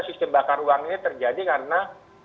sistem bakar uang ini terjadi karena